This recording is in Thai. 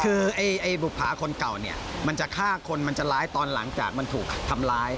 คือไอ้บุภาคนเก่าเนี่ยมันจะฆ่าคนมันจะร้ายตอนหลังจากมันถูกทำร้าย